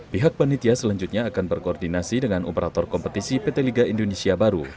pihak penitia selanjutnya akan berkoordinasi dengan operator kompetisi pt liga indonesia baru